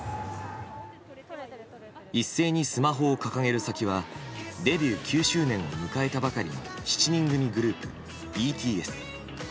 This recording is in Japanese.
一斉にスマホを掲げる先はデビュー９周年を迎えたばかりの７人組グループ、ＢＴＳ。